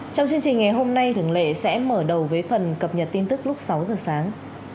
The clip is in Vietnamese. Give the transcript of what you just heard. trong chương trình ngày hôm nay thường lệ sẽ mở đầu với phần cập nhật tin tức lúc sáu giờ sáng